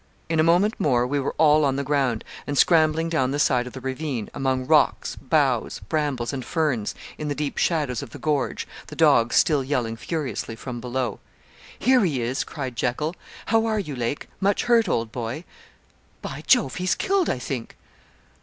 In a moment more we were all on the ground, and scrambling down the side of the ravine, among rocks, boughs, brambles, and ferns, in the deep shadows of the gorge, the dogs still yelling furiously from below. 'Here he is,' cried Jekyl. 'How are you, Lake? Much hurt, old boy? By Jove, he's killed, I think.'